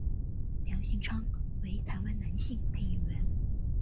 梁兴昌为台湾男性配音员。